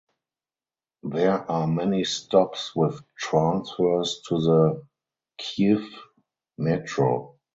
There are many stops with transfers to the Kyiv Metro.